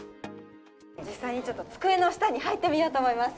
実際にちょっと、机の下に入ってみようと思います。